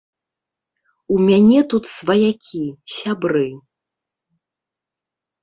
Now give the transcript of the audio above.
У мяне тут сваякі, сябры.